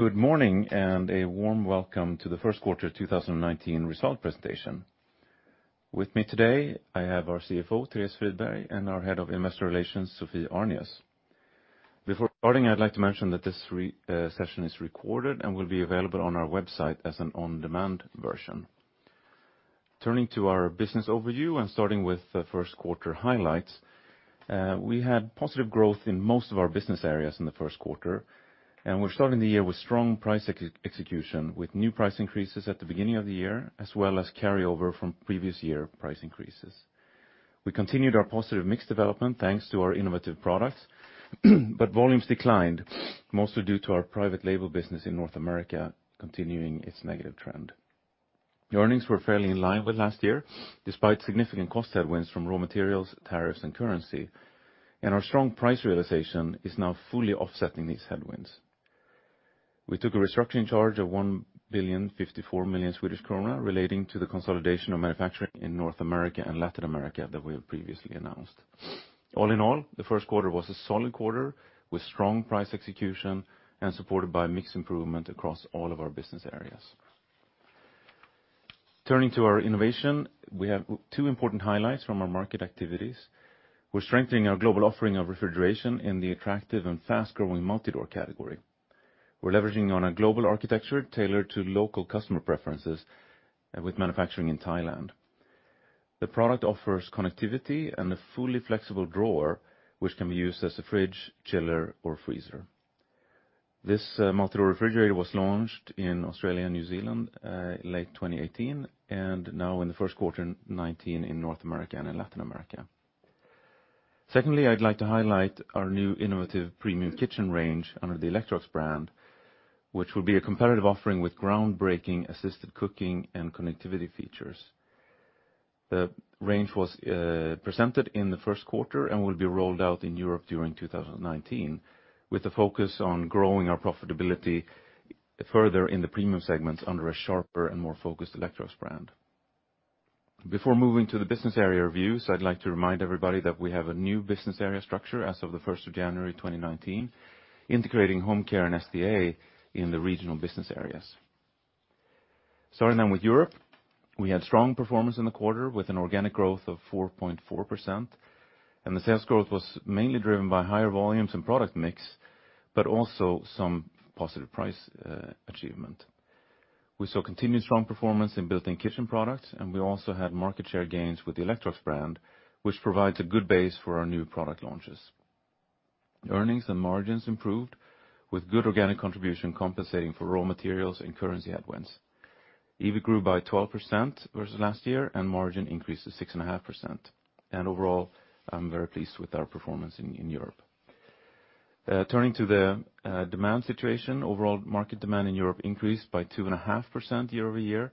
Good morning. A warm welcome to the first quarter of 2019 result presentation. With me today, I have our CFO, Therese Friberg, and our Head of Investor Relations, Sophie Arnius. Before starting, I'd like to mention that this session is recorded and will be available on our website as an on-demand version. Turning to our business overview and starting with the first quarter highlights. We had positive growth in most of our business areas in the first quarter. We're starting the year with strong price execution, with new price increases at the beginning of the year, as well as carryover from previous year price increases. We continued our positive mix development, thanks to our innovative products. Volumes declined, mostly due to our private label business in North America continuing its negative trend. The earnings were fairly in line with last year, despite significant cost headwinds from raw materials, tariffs, and currency. Our strong price realization is now fully offsetting these headwinds. We took a restructuring charge of 1,054,000,000 Swedish krona relating to the consolidation of manufacturing in North America and Latin America that we have previously announced. All in all, the first quarter was a solid quarter with strong price execution and supported by mix improvement across all of our business areas. Turning to our innovation, we have two important highlights from our market activities. We're strengthening our global offering of refrigeration in the attractive and fast-growing multi-door category. We're leveraging on a global architecture tailored to local customer preferences with manufacturing in Thailand. The product offers connectivity and a fully flexible drawer, which can be used as a fridge, chiller, or freezer. This multi-door refrigerator was launched in Australia and New Zealand late 2018. Now in the first quarter of 2019 in North America and in Latin America. Secondly, I'd like to highlight our new innovative premium kitchen range under the Electrolux brand, which will be a competitive offering with groundbreaking assisted cooking and connectivity features. The range was presented in the first quarter and will be rolled out in Europe during 2019, with a focus on growing our profitability further in the premium segments under a sharper and more focused Electrolux brand. Before moving to the business area reviews, I'd like to remind everybody that we have a new business area structure as of the 1st of January 2019, integrating home care and SDA in the regional business areas. Starting with Europe. We had strong performance in the quarter with an organic growth of 4.4%. The sales growth was mainly driven by higher volumes and product mix, but also some positive price achievement. We saw continued strong performance in built-in kitchen products. We also had market share gains with the Electrolux brand, which provides a good base for our new product launches. Earnings and margins improved with good organic contribution compensating for raw materials and currency headwinds. EBIT grew by 12% versus last year and margin increased to 6.5%. Overall, I'm very pleased with our performance in Europe. Turning to the demand situation. Overall market demand in Europe increased by 2.5% year-over-year.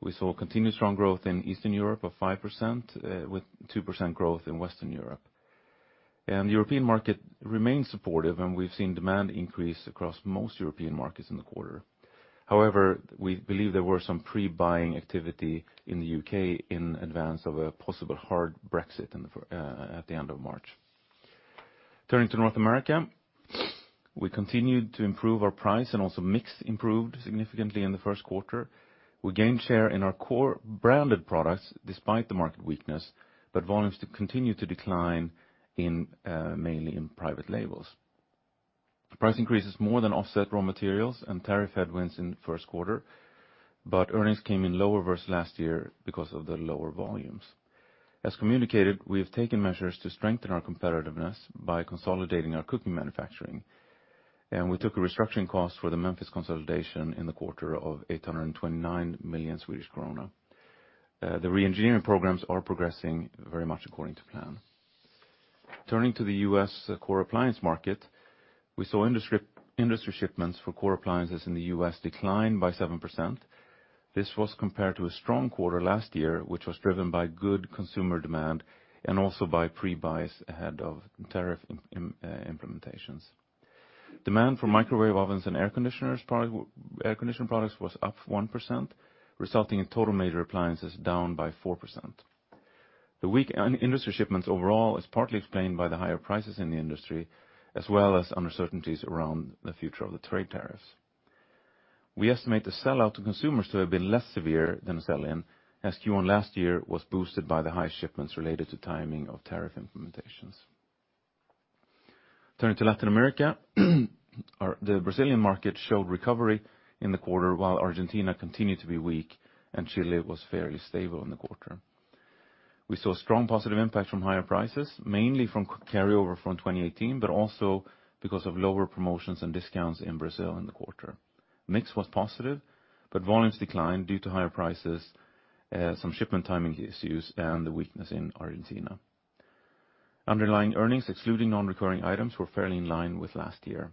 We saw continued strong growth in Eastern Europe of 5% with 2% growth in Western Europe. The European market remains supportive. We've seen demand increase across most European markets in the quarter. We believe there were some pre-buying activity in the U.K. in advance of a possible hard Brexit at the end of March. Turning to North America. We continued to improve our price. Also, mix improved significantly in the first quarter. We gained share in our core branded products despite the market weakness, volumes continue to decline mainly in private labels. The price increases more than offset raw materials and tariff headwinds in the first quarter, earnings came in lower versus last year because of the lower volumes. As communicated, we have taken measures to strengthen our competitiveness by consolidating our cooking manufacturing. We took a restructuring cost for the Memphis consolidation in the quarter of 829 million Swedish krona. The re-engineering programs are progressing very much according to plan. Turning to the U.S. core appliance market. We saw industry shipments for core appliances in the U.S. decline by 7%. This was compared to a strong quarter last year, which was driven by good consumer demand and also by pre-buys ahead of tariff implementations. Demand for microwave ovens and air conditioning products was up 1%, resulting in total major appliances down by 4%. The weak industry shipments overall is partly explained by the higher prices in the industry, as well as uncertainties around the future of the trade tariffs. We estimate the sell-out to consumers to have been less severe than sell-in, as Q1 last year was boosted by the high shipments related to timing of tariff implementations. Turning to Latin America. The Brazilian market showed recovery in the quarter, while Argentina continued to be weak and Chile was fairly stable in the quarter. We saw strong positive impact from higher prices, mainly from carryover from 2018, also because of lower promotions and discounts in Brazil in the quarter. Mix was positive, volumes declined due to higher prices, some shipment timing issues, and the weakness in Argentina. Underlying earnings, excluding non-recurring items, were fairly in line with last year.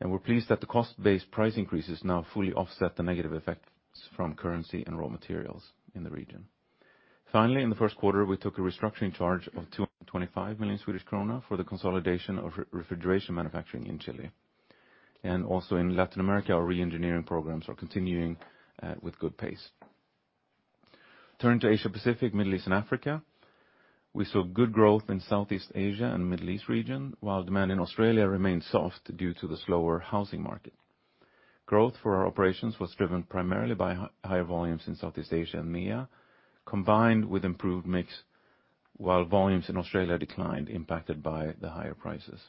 We're pleased that the cost-based price increases now fully offset the negative effects from currency and raw materials in the region. Finally, in the first quarter, we took a restructuring charge of 225 million Swedish krona for the consolidation of refrigeration manufacturing in Chile. Also in Latin America, our re-engineering programs are continuing with good pace. Turning to Asia-Pacific, Middle East, and Africa, we saw good growth in Southeast Asia and Middle East region, while demand in Australia remained soft due to the slower housing market. Growth for our operations was driven primarily by higher volumes in Southeast Asia and MEA, combined with improved mix, while volumes in Australia declined, impacted by the higher prices.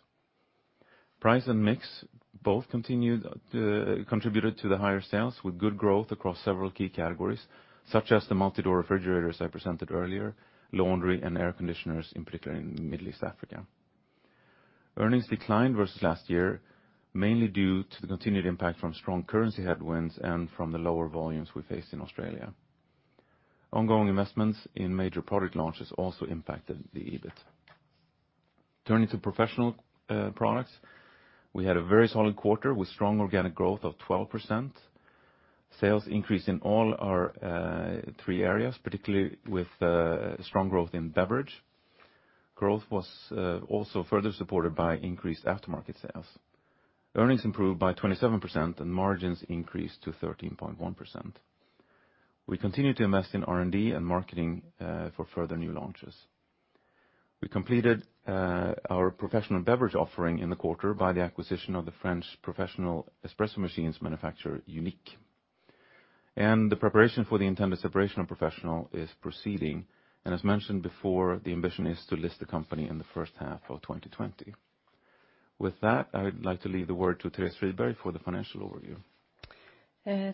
Price and mix both contributed to the higher sales, with good growth across several key categories, such as the multi-door refrigerators I presented earlier, laundry, and air conditioners, in particular in Middle East, Africa. Earnings declined versus last year, mainly due to the continued impact from strong currency headwinds and from the lower volumes we faced in Australia. Ongoing investments in major product launches also impacted the EBIT. Turning to professional products, we had a very solid quarter with strong organic growth of 12%. Sales increased in all our three areas, particularly with strong growth in beverage. Growth was also further supported by increased aftermarket sales. Earnings improved by 27% and margins increased to 13.1%. We continue to invest in R&D and marketing for further new launches. We completed our professional beverage offering in the quarter by the acquisition of the French professional espresso machines manufacturer UNIC. The preparation for the intended separation of professional is proceeding. As mentioned before, the ambition is to list the company in the first half of 2020. With that, I would like to leave the word to Therese Friberg for the financial overview.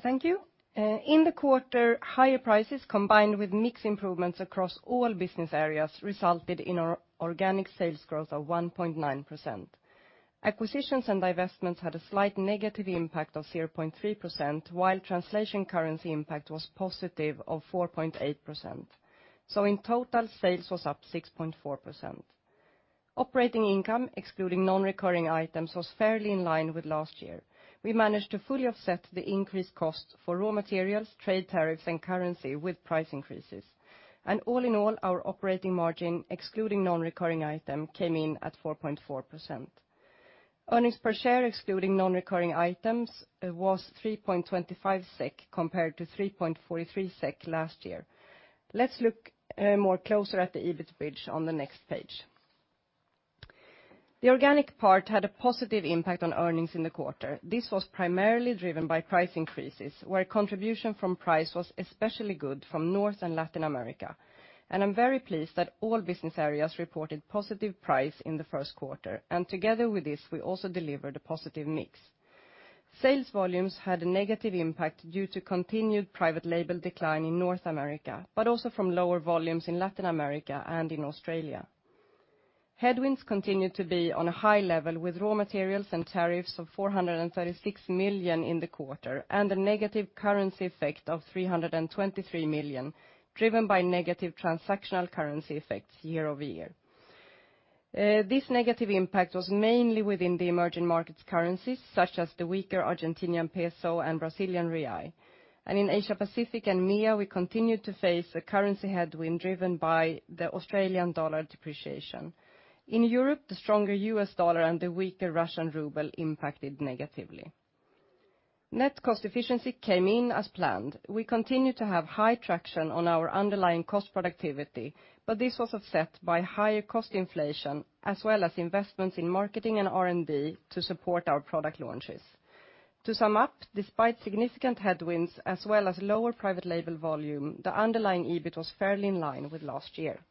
Thank you. In the quarter, higher prices combined with mix improvements across all business areas resulted in our organic sales growth of 1.9%. Acquisitions and divestments had a slight negative impact of 0.3%, while translation currency impact was positive of 4.8%. In total, sales was up 6.4%. Operating income, excluding non-recurring items, was fairly in line with last year. We managed to fully offset the increased cost for raw materials, trade tariffs, and currency with price increases. All in all, our operating margin, excluding non-recurring item, came in at 4.4%. Earnings per share, excluding non-recurring items, was 3.25 SEK compared to 3.43 SEK last year. Let's look more closer at the EBIT bridge on the next page. The organic part had a positive impact on earnings in the quarter. This was primarily driven by price increases, where contribution from price was especially good from North and Latin America. I'm very pleased that all business areas reported positive price in the first quarter. Together with this, we also delivered a positive mix. Sales volumes had a negative impact due to continued private label decline in North America, but also from lower volumes in Latin America and in Australia. Headwinds continued to be on a high level with raw materials and tariffs of 436 million in the quarter and a negative currency effect of 323 million, driven by negative transactional currency effects year-over-year. This negative impact was mainly within the emerging markets currencies such as the weaker Argentinian peso and Brazilian real. In Asia-Pacific and MEA, we continued to face a currency headwind driven by the Australian dollar depreciation. In Europe, the stronger U.S. dollar and the weaker Russian ruble impacted negatively. Net cost efficiency came in as planned. We continued to have high traction on our underlying cost productivity, but this was offset by higher cost inflation as well as investments in marketing and R&D to support our product launches. To sum up, despite significant headwinds as well as lower private label volume, the underlying EBIT was fairly in line with last year.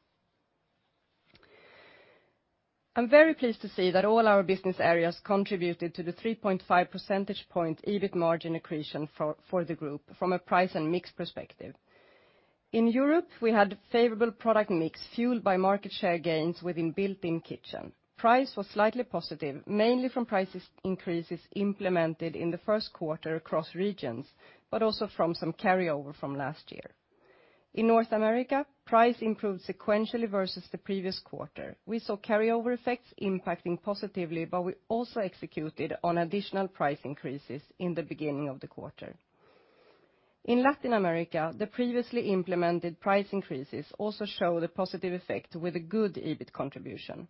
I'm very pleased to see that all our business areas contributed to the 3.5 percentage point EBIT margin accretion for the group from a price and mix perspective. In Europe, we had favorable product mix fueled by market share gains within built-in kitchen. Price was slightly positive, mainly from price increases implemented in the first quarter across regions, but also from some carryover from last year. In North America, price improved sequentially versus the previous quarter. We saw carryover effects impacting positively, but we also executed on additional price increases in the beginning of the quarter. In Latin America, the previously implemented price increases also show a positive effect with a good EBIT contribution.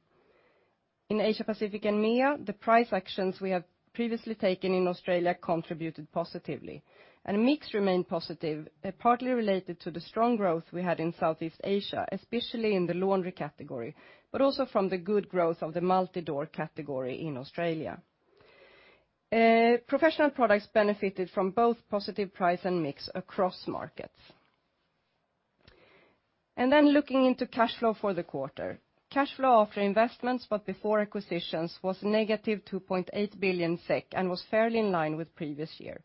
In Asia-Pacific and MEA, the price actions we have previously taken in Australia contributed positively, and mix remained positive, partly related to the strong growth we had in Southeast Asia, especially in the laundry category, but also from the good growth of the multi-door category in Australia. Professional products benefited from both positive price and mix across markets. Looking into cash flow for the quarter. Cash flow after investments, but before acquisitions, was negative 2.8 billion SEK and was fairly in line with previous year.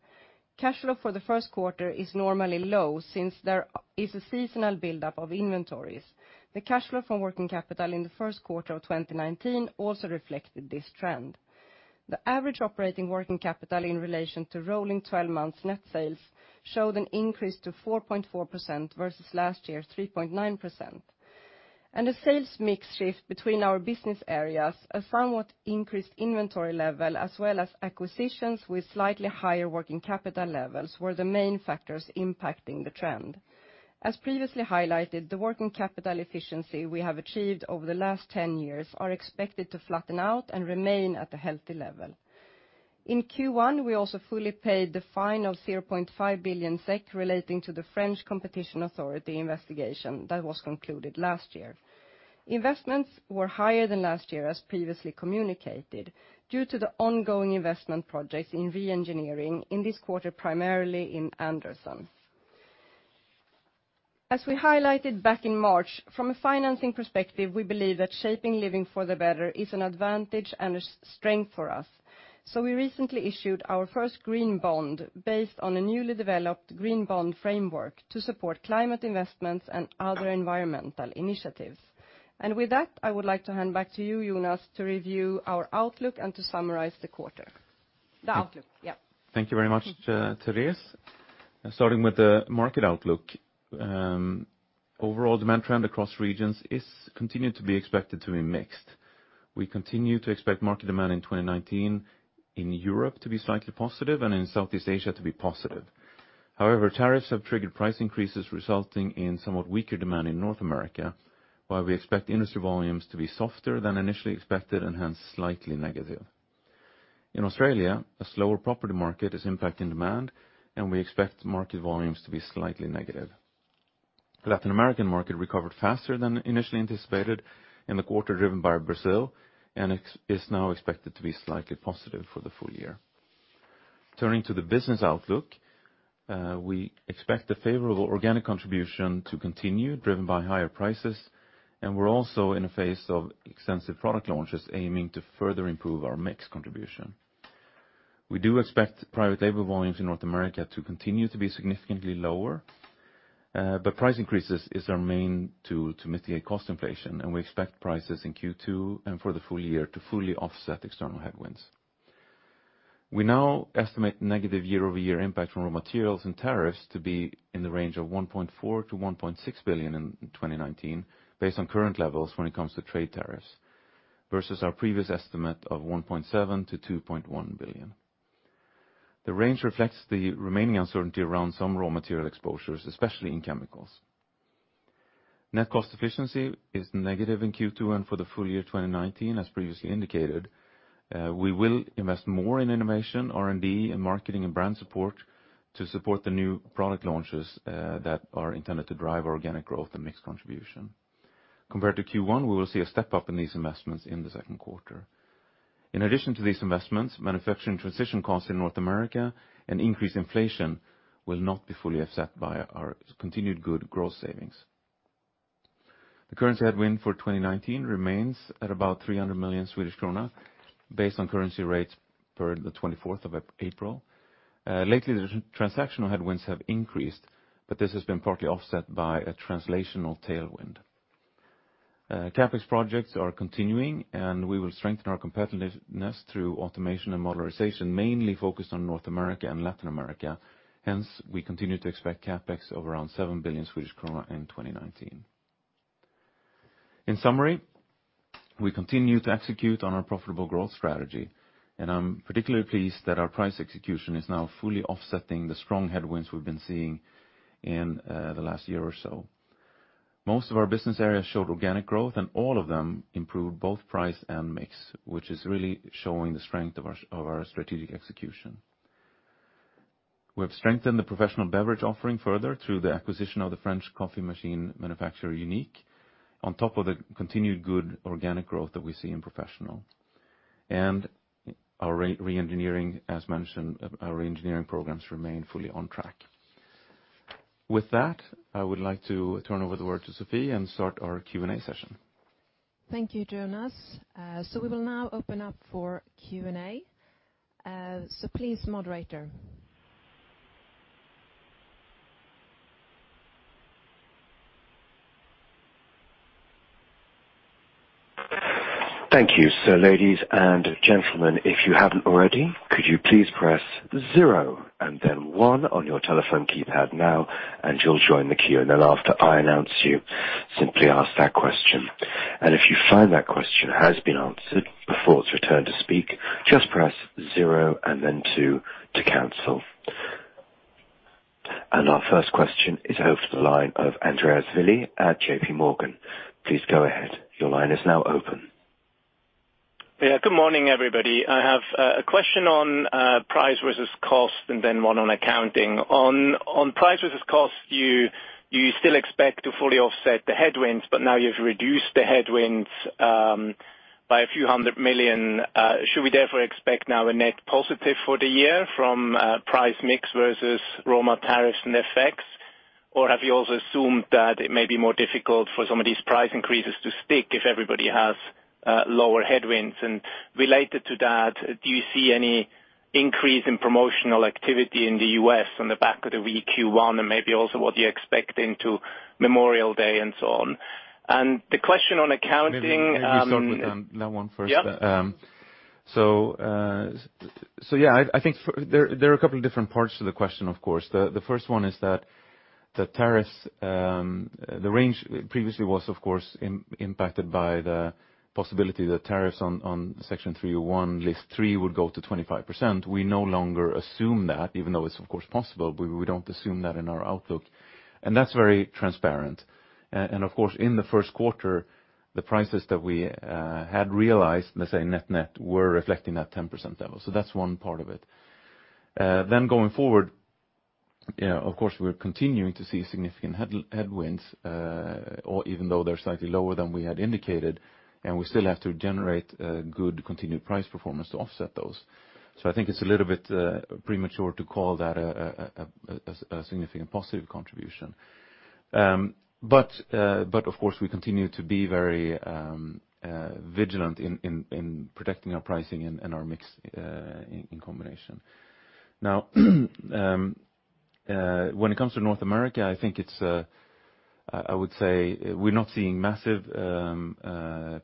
Cash flow for the first quarter is normally low since there is a seasonal buildup of inventories. The cash flow from working capital in the first quarter of 2019 also reflected this trend. The average operating working capital in relation to rolling 12 months net sales showed an increase to 4.4% versus last year's 3.9%. The sales mix shift between our business areas, a somewhat increased inventory level, as well as acquisitions with slightly higher working capital levels were the main factors impacting the trend. As previously highlighted, the working capital efficiency we have achieved over the last 10 years are expected to flatten out and remain at a healthy level. In Q1, we also fully paid the fine of 0.5 billion SEK relating to the French Competition Authority investigation that was concluded last year. Investments were higher than last year, as previously communicated, due to the ongoing investment projects in re-engineering in this quarter, primarily in Anderson. As we highlighted back in March, from a financing perspective, we believe that shaping living for the better is an advantage and a strength for us. We recently issued our first green bond based on a newly developed green bond framework to support climate investments and other environmental initiatives. With that, I would like to hand back to you, Jonas, to review our outlook and to summarize the quarter. The outlook. Yes. Thank you very much, Therese. Starting with the market outlook. Overall demand trend across regions is continued to be expected to be mixed. We continue to expect market demand in 2019 in Europe to be slightly positive and in Southeast Asia to be positive. However, tariffs have triggered price increases, resulting in somewhat weaker demand in North America, while we expect industry volumes to be softer than initially expected, hence slightly negative. In Australia, a slower property market is impacting demand, and we expect market volumes to be slightly negative. Latin American market recovered faster than initially anticipated in the quarter, driven by Brazil, and is now expected to be slightly positive for the full year. Turning to the business outlook, we expect the favorable organic contribution to continue, driven by higher prices. We're also in a phase of extensive product launches aiming to further improve our mix contribution. We do expect private label volumes in North America to continue to be significantly lower, but price increases is our main tool to mitigate cost inflation, and we expect prices in Q2 and for the full year to fully offset external headwinds. We now estimate negative year-over-year impact from raw materials and tariffs to be in the range of 1.4 billion-SEK1.6 billion in 2019, based on current levels when it comes to trade tariffs, versus our previous estimate of 1.7 billion-2.1 billion. The range reflects the remaining uncertainty around some raw material exposures, especially in chemicals. Net cost efficiency is negative in Q2 and for the full year 2019, as previously indicated. We will invest more in innovation, R&D, and marketing and brand support to support the new product launches that are intended to drive organic growth and mix contribution. Compared to Q1, we will see a step up in these investments in the second quarter. In addition to these investments, manufacturing transition costs in North America and increased inflation will not be fully offset by our continued good growth savings. The currency headwind for 2019 remains at about 300 million Swedish krona based on currency rates per the 24th of April. Lately, the transactional headwinds have increased, but this has been partly offset by a translational tailwind. CapEx projects are continuing, and we will strengthen our competitiveness through automation and modularization, mainly focused on North America and Latin America. Hence, we continue to expect CapEx of around 7 billion Swedish krona in 2019. In summary, we continue to execute on our profitable growth strategy, and I'm particularly pleased that our price execution is now fully offsetting the strong headwinds we've been seeing in the last year or so. Most of our business areas showed organic growth, and all of them improved both price and mix, which is really showing the strength of our strategic execution. We have strengthened the professional beverage offering further through the acquisition of the French coffee machine manufacturer UNIC, on top of the continued good organic growth that we see in professional. Our re-engineering, as mentioned, our re-engineering programs remain fully on track. With that, I would like to turn over the word to Sophie and start our Q&A session. Thank you, Jonas. We will now open up for Q&A. Please, moderator. Thank you. Ladies and gentlemen, if you haven't already, could you please press zero and then one on your telephone keypad now, and you'll join the queue. After I announce you, simply ask that question. If you find that question has been answered before it's returned to speak, just press zero and then two to cancel. Our first question is over the line of Andreas Willi at JPMorgan. Please go ahead. Your line is now open. Good morning, everybody. I have a question on price versus cost, and then one on accounting. On price versus cost, you still expect to fully offset the headwinds, but now you've reduced the headwinds by a few hundred million SEK. Have you also assumed that it may be more difficult for some of these price increases to stick if everybody has lower headwinds? Related to that, do you see any increase in promotional activity in the U.S. on the back of the weak Q1, maybe also what you expect into Memorial Day and so on? The question on accounting- Maybe start with that one first. Yeah. I think there are a couple of different parts to the question, of course. The first one is that the tariffs, the range previously was, of course, impacted by the possibility that tariffs on Section 301, List 3 would go to 25%. We no longer assume that, even though it's of course possible. We don't assume that in our outlook, and that's very transparent. Of course, in the first quarter, the prices that we had realized, let's say net net, were reflecting that 10% level. That's one part of it. Going forward. Of course, we're continuing to see significant headwinds, even though they're slightly lower than we had indicated, We still have to generate a good continued price performance to offset those. I think it's a little bit premature to call that a significant positive contribution. Of course, we continue to be very vigilant in protecting our pricing and our mix in combination. When it comes to North America, I would say we're not seeing massive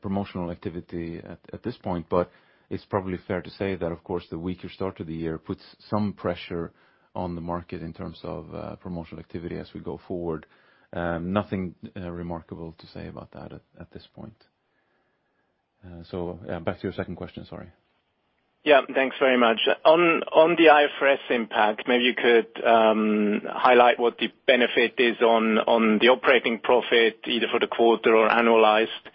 promotional activity at this point, but it's probably fair to say that, of course, the weaker start to the year puts some pressure on the market in terms of promotional activity as we go forward. Nothing remarkable to say about that at this point. Back to your second question, sorry. Thanks very much. On the IFRS impact, maybe you could highlight what the benefit is on the operating profit, either for the quarter or annualized.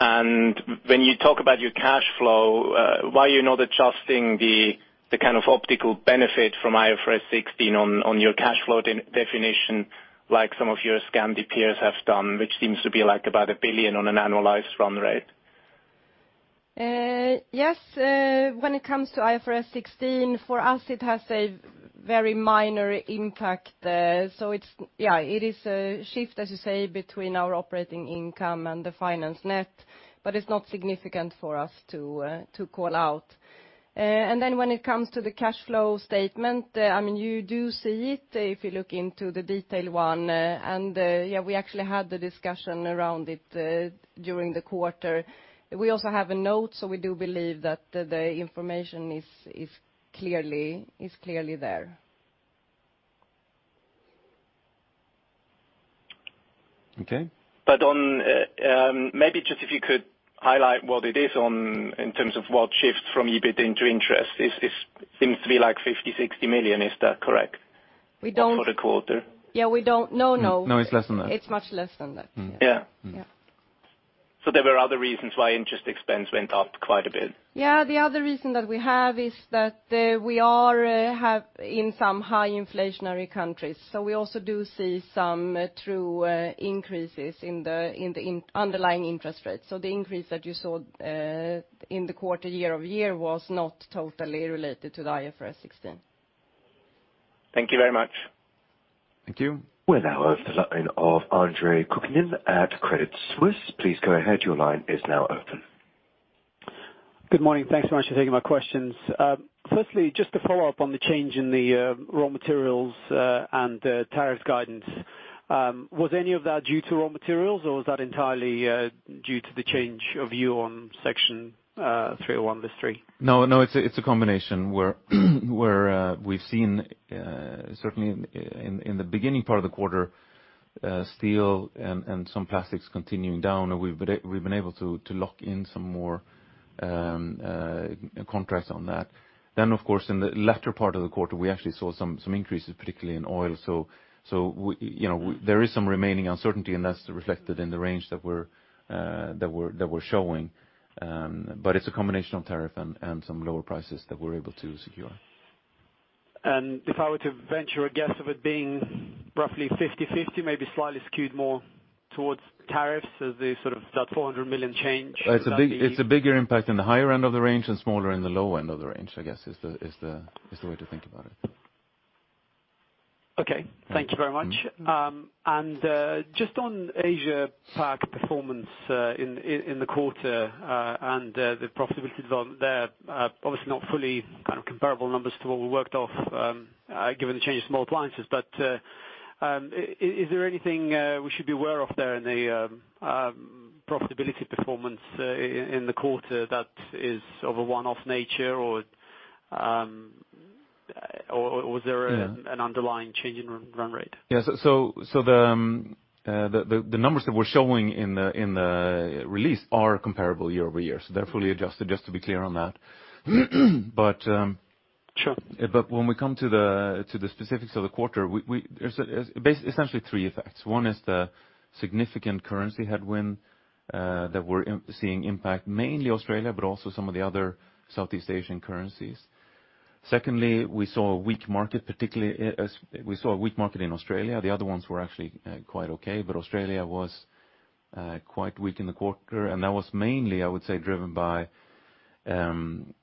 When you talk about your cash flow, why are you not adjusting the kind of optical benefit from IFRS 16 on your cash flow definition, like some of your Scandi peers have done, which seems to be about 1 billion on an annualized run rate? When it comes to IFRS 16, for us it has a very minor impact. It is a shift, as you say, between our operating income and the finance net, but it's not significant for us to call out. When it comes to the cash flow statement, you do see it if you look into the detailed one. We actually had the discussion around it during the quarter. We also have a note, we do believe that the information is clearly there. Okay. Maybe just if you could highlight what it is in terms of what shifts from EBIT into interest. It seems to be like 50 million-60 million. Is that correct? We don't- For the quarter. Yeah, we don't. No. No, it's less than that. It's much less than that. Yeah. Yeah. There were other reasons why interest expense went up quite a bit? The other reason that we have is that we are in some high inflationary countries. We also do see some true increases in the underlying interest rate. The increase that you saw in the quarter year-over-year was not totally related to the IFRS 16. Thank you very much. Thank you. We'll now have the line of Andre Kukhnin at Credit Suisse. Please go ahead. Your line is now open. Good morning. Thanks so much for taking my questions. Firstly, just to follow up on the change in the raw materials and the tariff guidance. Was any of that due to raw materials or was that entirely due to the change of view on Section 301 of this treaty? It's a combination, where we've seen certainly in the beginning part of the quarter, steel and some plastics continuing down, and we've been able to lock in some more contracts on that. Of course, in the latter part of the quarter, we actually saw some increases, particularly in oil. There is some remaining uncertainty, and that's reflected in the range that we're showing. It's a combination of tariff and some lower prices that we're able to secure. If I were to venture a guess of it being roughly 50/50, maybe slightly skewed more towards tariffs as the sort of that 400 million change. It's a bigger impact in the higher end of the range and smaller in the low end of the range, I guess is the way to think about it. Okay. Thank you very much. Just on APAC performance in the quarter and the profitability there. Obviously, not fully comparable numbers to what we worked off given the change in small appliances. Is there anything we should be aware of there in the profitability performance in the quarter that is of a one-off nature? Or was there an underlying change in run rate? Yes. The numbers that we're showing in the release are comparable year-over-year, so they're fully adjusted, just to be clear on that. Sure. When we come to the specifics of the quarter, there's essentially three effects. One is the significant currency headwind that we're seeing impact mainly Australia, but also some of the other Southeast Asian currencies. Secondly, we saw a weak market in Australia. The other ones were actually quite okay, but Australia was quite weak in the quarter, and that was mainly, I would say, driven by the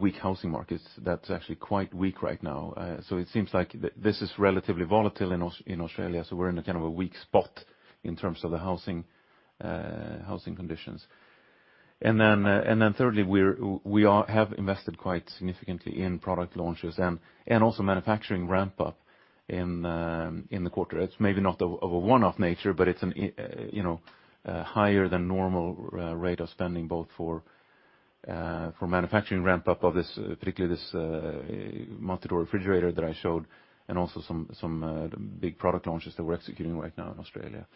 weak housing markets that's actually quite weak right now. It seems like this is relatively volatile in Australia. We're in a kind of a weak spot in terms of the housing conditions. Thirdly, we have invested quite significantly in product launches and also manufacturing ramp up in the quarter. It's maybe not of a one-off nature, but it's a higher than normal rate of spending both for manufacturing ramp up of particularly this multi-door refrigerator that I showed and also some big product launches that we're executing right now in Australia.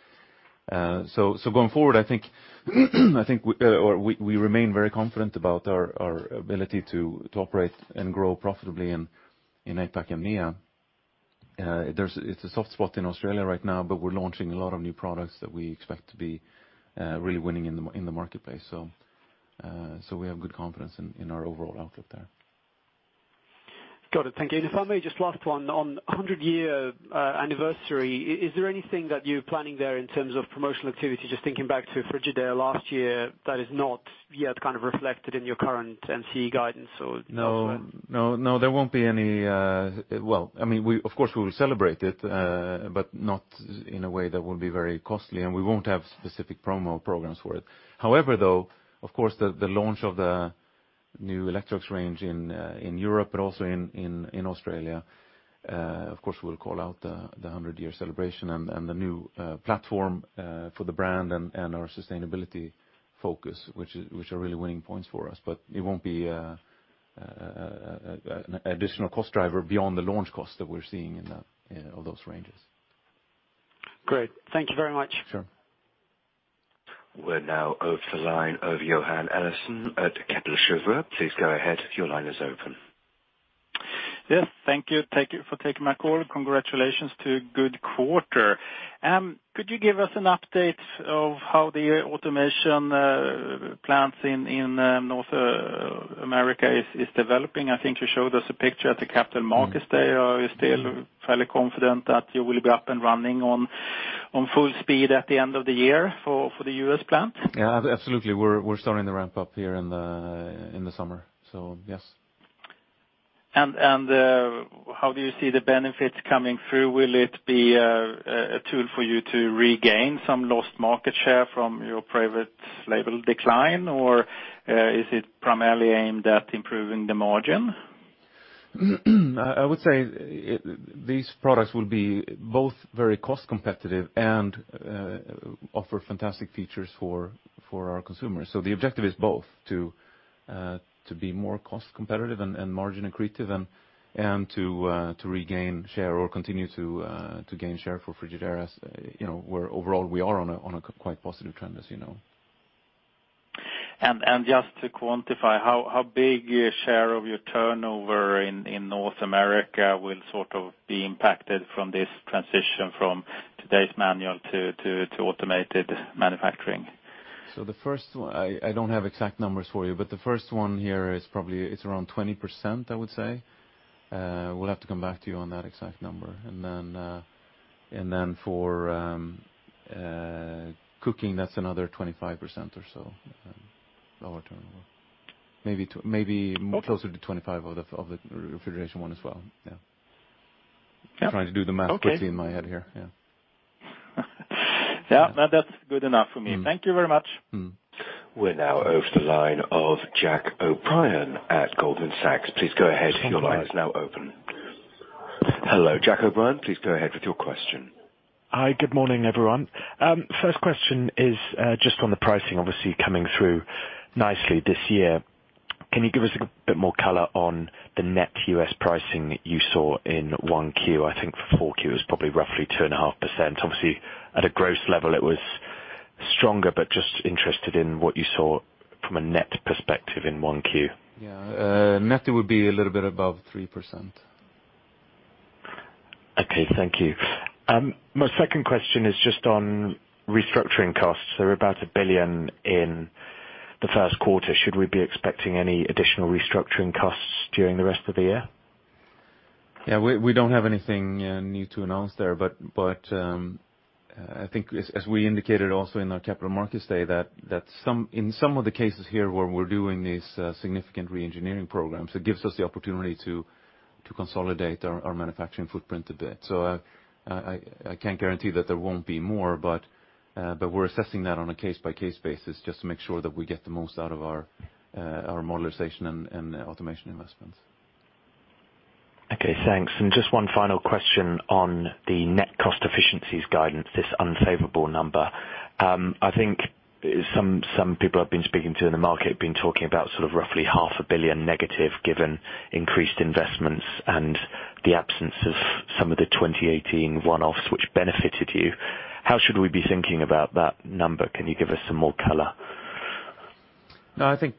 Going forward, I think we remain very confident about our ability to operate and grow profitably in APAC and MEA. It's a soft spot in Australia right now, but we're launching a lot of new products that we expect to be really winning in the marketplace. We have good confidence in our overall outlook there. Got it. Thank you. If I may, just last one. On 100-year anniversary, is there anything that you're planning there in terms of promotional activity? Just thinking back to Frigidaire last year, that is not yet reflected in your current NC guidance. No. Of course, we'll celebrate it, but not in a way that will be very costly, and we won't have specific promo programs for it. Of course, the launch of the new Electrolux range in Europe but also in Australia, of course, we'll call out the 100-year celebration and the new platform for the brand and our sustainability focus, which are really winning points for us. It won't be an additional cost driver beyond the launch cost that we're seeing in all those ranges. Great. Thank you very much. Sure. We are now over to the line of Johan Eliason at Kepler Cheuvreux. Please go ahead. Your line is open. Yes. Thank you. Thank you for taking my call. Congratulations to a good quarter. Could you give us an update of how the automation plants in North America is developing? I think you showed us a picture at the Capital Markets Day. Are you still fairly confident that you will be up and running on full speed at the end of the year for the U.S. plant? Yeah, absolutely. We are starting the ramp up here in the summer. Yes. How do you see the benefits coming through? Will it be a tool for you to regain some lost market share from your private label decline, or is it primarily aimed at improving the margin? I would say these products will be both very cost competitive and offer fantastic features for our consumers. The objective is both to be more cost competitive and margin accretive and to regain share or continue to gain share for Frigidaire, where overall we are on a quite positive trend, as you know. Just to quantify, how big a share of your turnover in North America will be impacted from this transition from today's manual to automated manufacturing? The first one, I don't have exact numbers for you, but the first one here is probably around 20%, I would say. We'll have to come back to you on that exact number. For cooking, that's another 25% or so of our turnover. Maybe closer to 25% of the refrigeration one as well, yeah. Yeah. I'm trying to do the math quickly in my head here. Yeah. Yeah. No, that's good enough for me. Thank you very much. We're now over to the line of Jack O'Brien at Goldman Sachs. Please go ahead. Your line is now open. Hello, Jack O'Brien, please go ahead with your question. Hi, good morning, everyone. First question is just on the pricing, obviously coming through nicely this year. Can you give us a bit more color on the net U.S. pricing you saw in 1Q? I think 4Q was probably roughly 2.5%. Obviously, at a gross level, it was stronger, but just interested in what you saw from a net perspective in 1Q. Yeah. Netting would be a little bit above 3%. Okay. Thank you. My second question is just on restructuring costs. They're about 1 billion in the first quarter. Should we be expecting any additional restructuring costs during the rest of the year? Yeah. We don't have anything new to announce there, but I think as we indicated also in our Capital Markets Day, that in some of the cases here where we're doing these significant re-engineering programs, it gives us the opportunity to consolidate our manufacturing footprint a bit. I can't guarantee that there won't be more, but we're assessing that on a case-by-case basis just to make sure that we get the most out of our modularization and automation investments. Okay, thanks. Just one final question on the net cost efficiencies guidance, this unfavorable number. I think some people I've been speaking to in the market have been talking about roughly half a billion SEK negative, given increased investments and the absence of some of the 2018 one-offs which benefited you. How should we be thinking about that number? Can you give us some more color? No, I think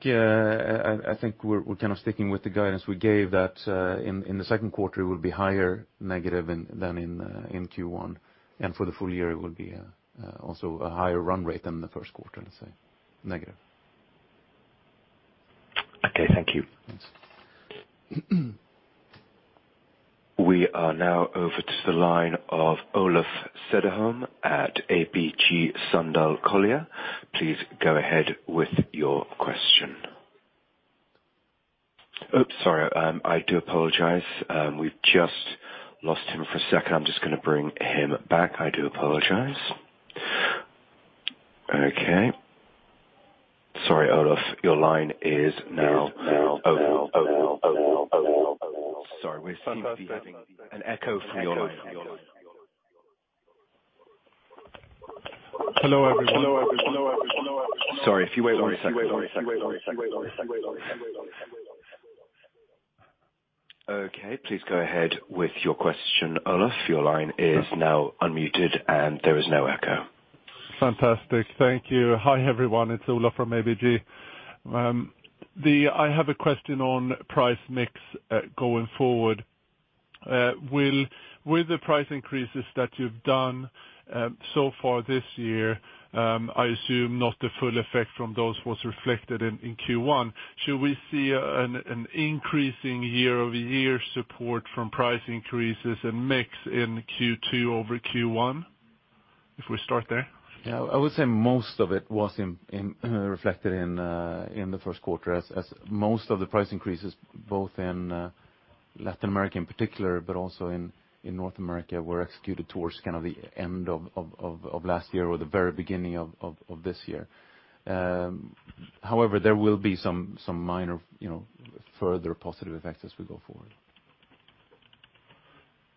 we're sticking with the guidance we gave that in the second quarter, it will be higher negative than in Q1, and for the full year, it will be also a higher run rate than the first quarter, let's say, negative. Okay, thank you. Yes. We are now over to the line of Olof Cederholm at ABG Sundal Collier. Please go ahead with your question. Oops, sorry. I do apologize. We've just lost him for a second. I'm just going to bring him back. I do apologize. Okay. Sorry, Olof, your line is now open. Sorry, we seem to be having an echo from your line. Hello, everyone. Sorry. If you wait one second. Okay, please go ahead with your question, Olof. Your line is now unmuted, and there is no echo. Fantastic. Thank you. Hi, everyone. It's Olof from ABG. I have a question on price mix going forward. With the price increases that you've done so far this year, I assume not the full effect from those was reflected in Q1. Should we see an increasing year-over-year support from price increases and mix in Q2 over Q1? If we start there. Yeah. I would say most of it was reflected in the first quarter, as most of the price increases, both in Latin America in particular, but also in North America, were executed towards the end of last year or the very beginning of this year. However, there will be some minor further positive effects as we go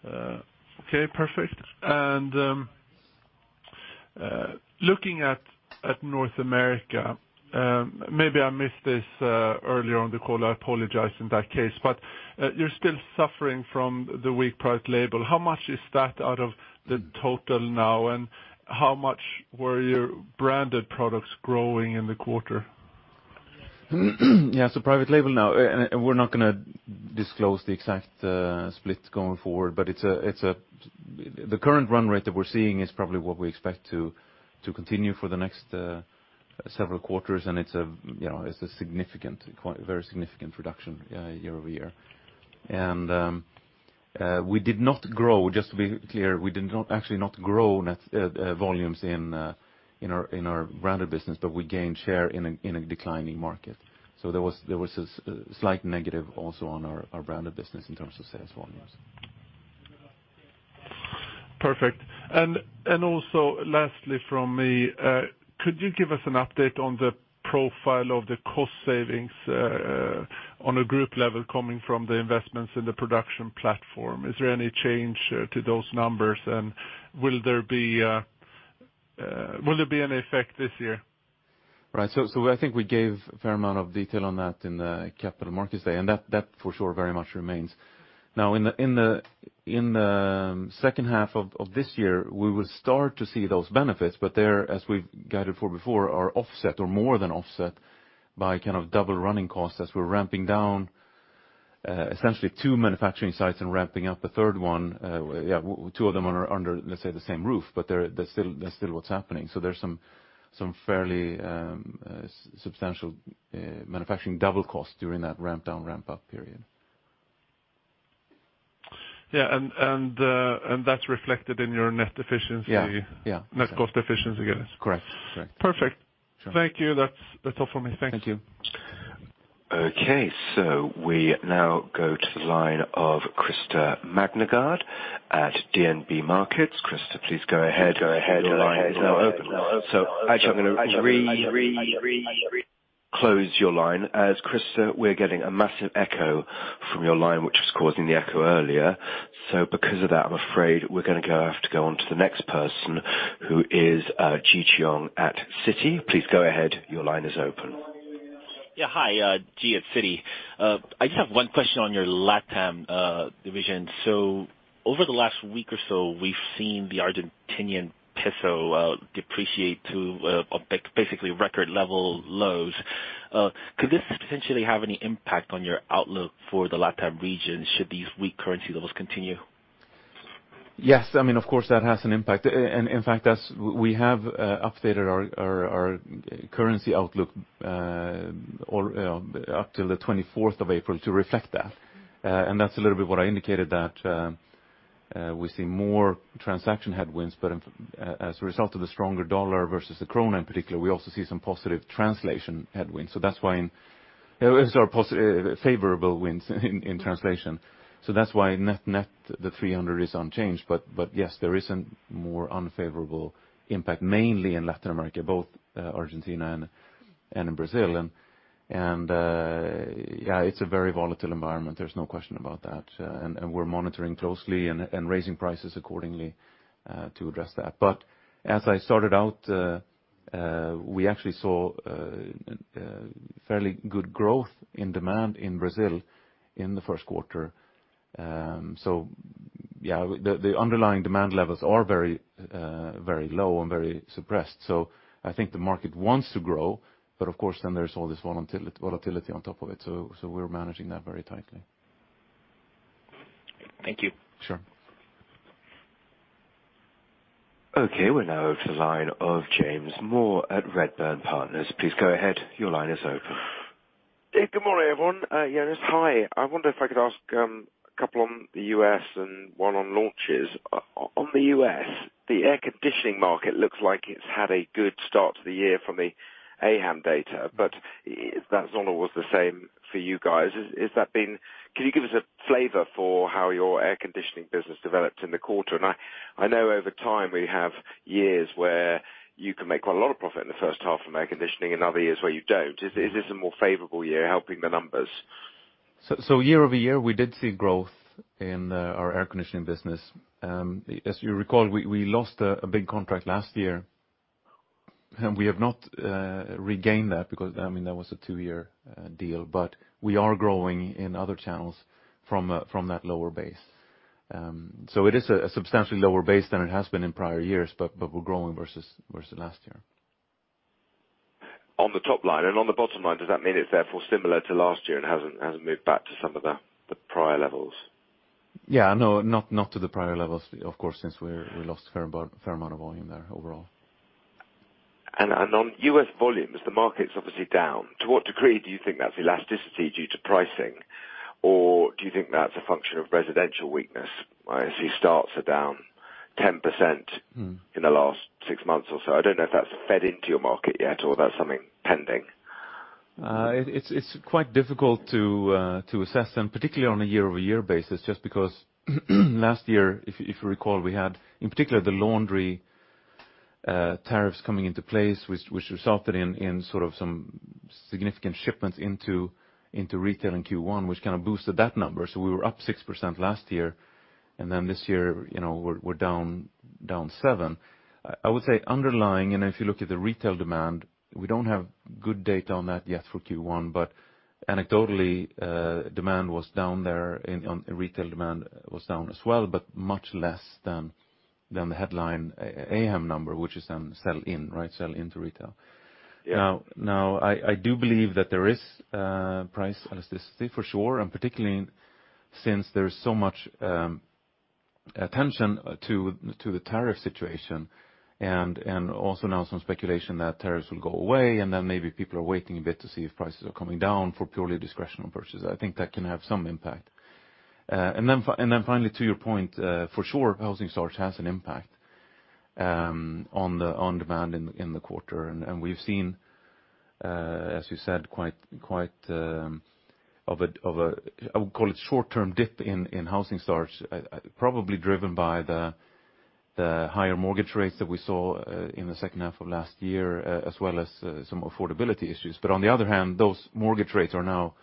forward. Okay, perfect. Looking at North America, maybe I missed this earlier on the call. I apologize in that case. You're still suffering from the weak private label. How much is that out of the total now, and how much were your branded products growing in the quarter? Yeah. Private label now, we're not going to disclose the exact split going forward. The current run rate that we're seeing is probably what we expect to continue for the next several quarters. It's a very significant reduction year-over-year. We did not grow, just to be clear, we did actually not grow net volumes in our branded business. We gained share in a declining market. There was this slight negative also on our branded business in terms of sales volumes. Perfect. Also, lastly from me, could you give us an update on the profile of the cost savings on a group level coming from the investments in the production platform? Is there any change to those numbers, and will there be an effect this year? Right. I think we gave a fair amount of detail on that in the Capital Markets Day. That for sure very much remains. Now, in the second half of this year, we will start to see those benefits. They're, as we've guided for before, are offset or more than offset by double running costs as we're ramping down essentially two manufacturing sites and ramping up a third one. Yeah, two of them are under, let's say, the same roof. That's still what's happening. There's some fairly substantial manufacturing double cost during that ramp down/ramp up period. Yeah. That's reflected in your net efficiency? Yeah. Net cost efficiency, I guess. Correct. Perfect. Thank you. That's all for me. Thank you. Thank you. Okay. We now go to the line of Krister Magnergård at DNB Markets. Krister, please go ahead. Your line is now open. Actually, I'm going to re-close your line as, Krister, we're getting a massive echo from your line, which was causing the echo earlier. Because of that, I'm afraid we're going to have to go on to the next person, who is Ji Xiong at Citi. Please go ahead. Your line is open. Yeah. Hi. Ji at Citi. I just have one question on your LatAm division. Over the last week or so, we've seen the Argentinian peso depreciate to basically record level lows. Could this potentially have any impact on your outlook for the LatAm region, should these weak currency levels continue? Yes. Of course, that has an impact. In fact, we have updated our currency outlook up till the 24th of April to reflect that. That's a little bit what I indicated that we see more transaction headwinds, but as a result of the stronger dollar versus the crown in particular, we also see some positive translation headwinds. Sorry, favorable winds in translation. That's why net, the 300 is unchanged. Yes, there is a more unfavorable impact, mainly in Latin America, both Argentina and in Brazil. Yeah, it's a very volatile environment, there's no question about that. We're monitoring closely and raising prices accordingly to address that. As I started out, we actually saw fairly good growth in demand in Brazil in the first quarter. Yeah, the underlying demand levels are very low and very suppressed. I think the market wants to grow, of course there's all this volatility on top of it. We're managing that very tightly. Thank you. Sure. Okay, we're now to the line of James Moore at Redburn Partners. Please go ahead. Your line is open. Good morning, everyone. Jonas, hi. I wonder if I could ask a couple on the U.S. and one on launches. On the U.S., the air conditioning market looks like it's had a good start to the year from the AHAM data, but that's not always the same for you guys. Can you give us a flavor for how your air conditioning business developed in the quarter? I know over time, we have years where you can make quite a lot of profit in the first half from air conditioning and other years where you don't. Is this a more favorable year helping the numbers? Year-over-year, we did see growth in our air conditioning business. As you recall, we lost a big contract last year, and we have not regained that because that was a two-year deal, but we are growing in other channels from that lower base. It is a substantially lower base than it has been in prior years, but we're growing versus last year. On the top line and on the bottom line, does that mean it's therefore similar to last year and hasn't moved back to some of the prior levels? Yeah. No, not to the prior levels, of course, since we lost a fair amount of volume there overall. On U.S. volumes, the market's obviously down. To what degree do you think that's elasticity due to pricing, or do you think that's a function of residential weakness? I see starts are down 10% in the last six months or so. I don't know if that's fed into your market yet, or that's something pending. It's quite difficult to assess. Particularly on a year-over-year basis, just because last year, if you recall, we had, in particular, the laundry tariffs coming into place, which resulted in some significant shipments into retail in Q1, which kind of boosted that number. We were up 6% last year. This year, we're down 7%. I would say underlying, if you look at the retail demand, we don't have good data on that yet for Q1, anecdotally, demand was down there. Retail demand was down as well, much less than the headline AHAM number, which is then sell in to retail. Yeah. I do believe that there is price elasticity for sure. Particularly since there is so much attention to the tariff situation. Also now some speculation that tariffs will go away. Maybe people are waiting a bit to see if prices are coming down for purely discretional purchases. I think that can have some impact. Finally, to your point, for sure, housing starts has an impact on demand in the quarter. We've seen, as you said, quite of a, I call it short-term dip in housing starts, probably driven by the higher mortgage rates that we saw in the second half of last year, as well as some affordability issues. On the other hand, those mortgage rates are now. Yeah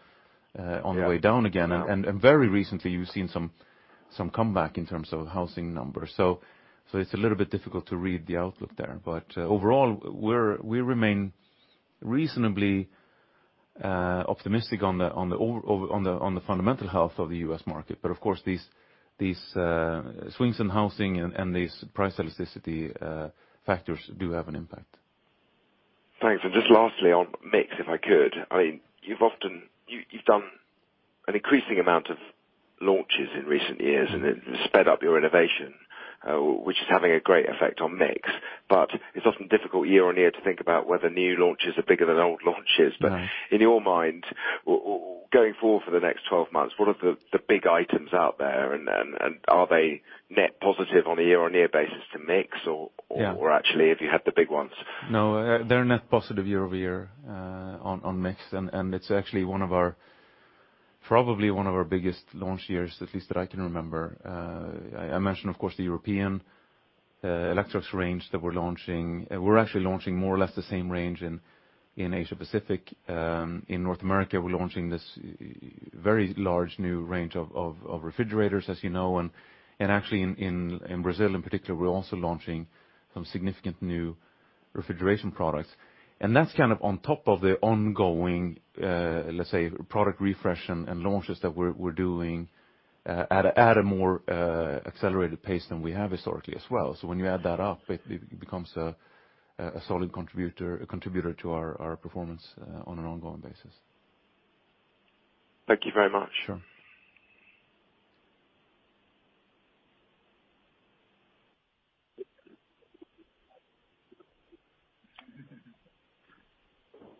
on the way down again. Very recently, you've seen some comeback in terms of housing numbers. It's a little bit difficult to read the outlook there. Overall, we remain reasonably optimistic on the fundamental health of the U.S. market. Of course, these swings in housing and these price elasticity factors do have an impact. Thanks. Just lastly, on mix, if I could. You've done an increasing amount of launches in recent years and then sped up your innovation, which is having a great effect on mix. It's often difficult year-on-year to think about whether new launches are bigger than old launches. Right. In your mind, going forward for the next 12 months, what are the big items out there, and are they net positive on a year-on-year basis to mix? Yeah actually, have you had the big ones? They're net positive year-over-year on mix, it's actually probably one of our biggest launch years, at least that I can remember. I mentioned, of course, the European Electrolux range that we're launching. We're actually launching more or less the same range in Asia Pacific. In North America, we're launching this very large new range of refrigerators, as you know. Actually, in Brazil in particular, we're also launching some significant new refrigeration products. That's kind of on top of the ongoing, let's say, product refresh and launches that we're doing at a more accelerated pace than we have historically as well. When you add that up, it becomes a solid contributor to our performance on an ongoing basis. Thank you very much. Sure.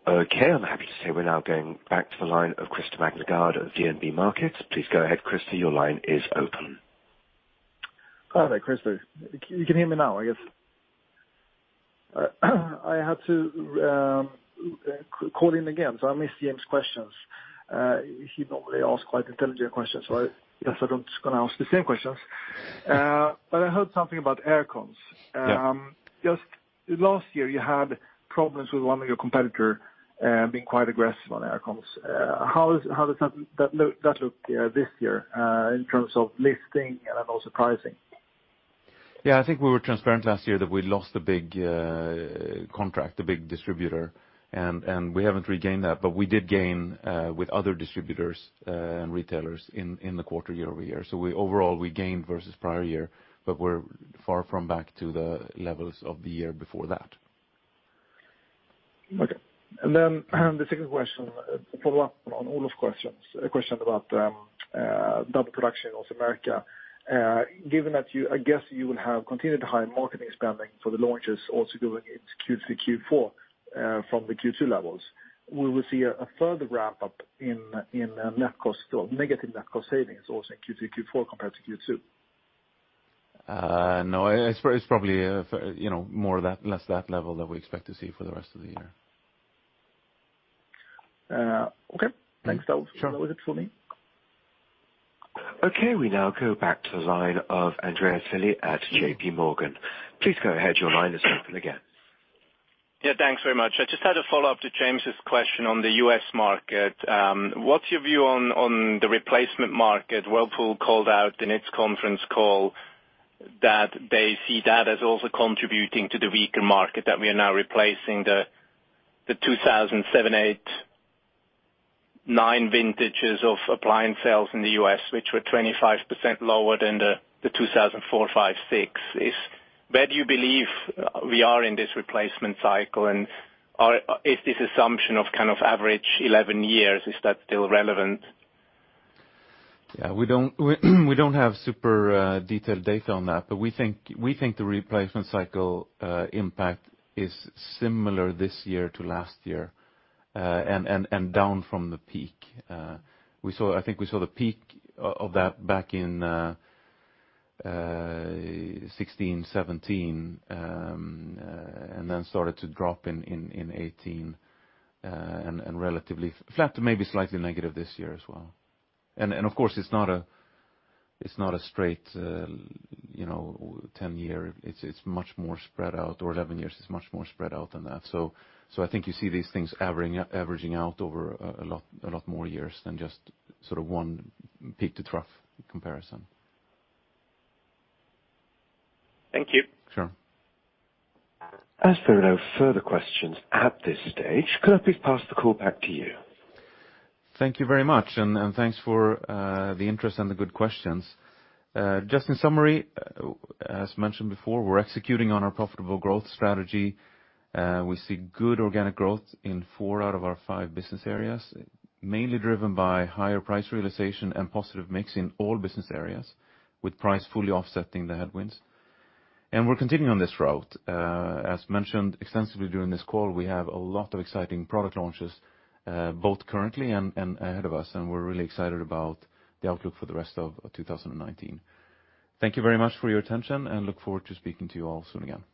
I'm happy to say we're now going back to the line of Krister Magnergård of DNB Markets. Please go ahead, Krister, your line is open. Hi there, Krister. You can hear me now, I guess? I had to call in again, I missed James' questions. He normally asks quite intelligent questions, I guess I'm just going to ask the same questions. I heard something about air cons. Yeah. Just last year, you had problems with one of your competitor being quite aggressive on air cons. How does that look this year in terms of listing and also pricing? Yeah, I think we were transparent last year that we lost a big contract, a big distributor, and we haven't regained that, but we did gain with other distributors and retailers in the quarter year-over-year. Overall, we gained versus prior year, but we're far from back to the levels of the year before that. Okay. The second question, a follow-up on Olof's questions, a question about double production in North America. Given that you will have continued high marketing spending for the launches also going into Q3, Q4 from the Q2 levels. We will see a further ramp-up in net cost or negative net cost savings also in Q3, Q4 compared to Q2. No, it's probably less that level that we expect to see for the rest of the year. Okay, thanks. That was it for me. Okay, we now go back to the line of Andreas Willi at JPMorgan. Please go ahead, your line is open again. Yeah, thanks very much. I just had a follow-up to James' question on the U.S. market. What's your view on the replacement market? Whirlpool called out in its conference call that they see that as also contributing to the weaker market, that we are now replacing the 2007, 2008, 2009 vintages of appliance sales in the U.S., which were 25% lower than the 2004, 2005, 2006. Where do you believe we are in this replacement cycle? Is this assumption of kind of average 11 years, is that still relevant? Yeah, we don't have super detailed data on that, we think the replacement cycle impact is similar this year to last year down from the peak. I think we saw the peak of that back in 2016, 2017, then started to drop in 2018, relatively flat to maybe slightly negative this year as well. Of course, it's not a straight 10 year. It's much more spread out or 11 years is much more spread out than that. I think you see these things averaging out over a lot more years than just sort of one peak to trough comparison. Thank you. Sure. As there are no further questions at this stage, could I please pass the call back to you? Thank you very much. Thanks for the interest and the good questions. Just in summary, as mentioned before, we're executing on our profitable growth strategy. We see good organic growth in four out of our five business areas, mainly driven by higher price realization and positive mix in all business areas, with price fully offsetting the headwinds. We're continuing on this route. As mentioned extensively during this call, we have a lot of exciting product launches, both currently and ahead of us, and we're really excited about the outlook for the rest of 2019. Thank you very much for your attention, and look forward to speaking to you all soon again.